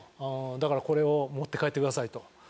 「だからこれを持って帰ってください」と。